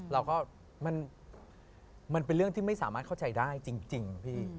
มันเป็นเรื่องที่ไม่สามารถเข้าใจได้จริงพี่